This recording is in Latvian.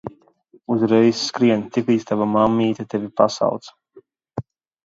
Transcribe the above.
Uzreiz skrien, tiklīdz tava mammīte tevi pasauc!